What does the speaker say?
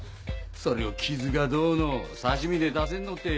それを傷がどうの刺し身で出せんのって。